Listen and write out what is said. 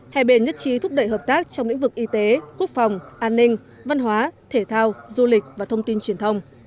hai bên nhất trí thúc đẩy hợp tác trong lĩnh vực y tế quốc phòng an ninh văn hóa thể thao du lịch và thông tin truyền thông